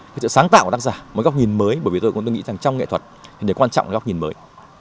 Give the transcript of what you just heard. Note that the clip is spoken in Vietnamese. cái sự sáng tạo của tác giả một góc nhìn mới bởi vì tôi cũng nghĩ rằng trong nghệ thuật thì quan trọng là góc nhìn mới